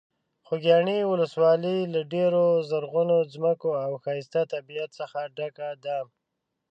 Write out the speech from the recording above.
خوږیاڼي ولسوالۍ له ډېرو زرغونو ځمکو او ښایسته طبیعت څخه ډکه ده.